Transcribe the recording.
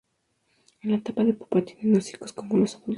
En la etapa de pupa tienen hocicos como los adultos.